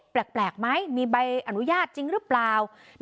แปลกไหมมีใบอนุญาตจริงหรือเปล่า